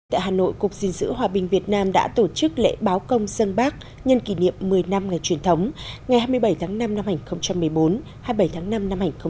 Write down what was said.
tại hà nội cục diên dữ hòa bình việt nam đã tổ chức lễ báo công dân bác nhân kỷ niệm một mươi năm ngày truyền thống ngày hai mươi bảy tháng năm năm hai nghìn một mươi bốn hai mươi bảy tháng năm năm hai nghìn một mươi chín